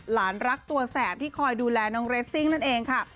รักตัวแสบที่คอยดูแลน้องเรสซิ่งนั่นเองค่ะ